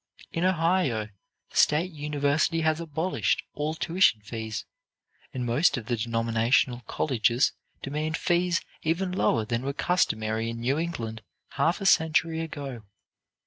In Ohio, the state university has abolished all tuition fees; and most of the denominational colleges demand fees even lower than were customary in New England half a century ago.